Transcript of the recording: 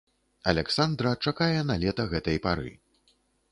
Аляксандра чакае налета гэтай пары.